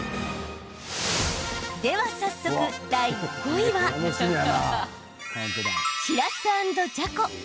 では早速、第５位はしらす＆じゃこ。